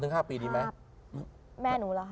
ใน๓๕ปีดีไหม